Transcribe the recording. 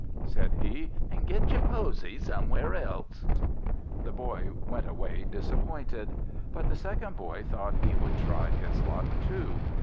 said he, "and get your posy somewhere else!" The boy went away disappointed; but the second boy thought he would try his luck too.